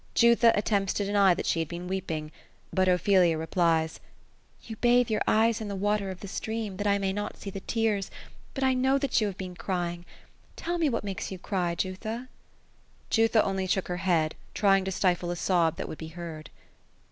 Jutha attempts to deny that she has been weeping ; but Ophelia re plies :—^' You bathe your eyes in the water of the stream, that I may not see the tears, but I know that you have been crying. Tell me what makes you cry, Jutha ?" Jutha only shook her head, trying to stifle a sob that would be heard.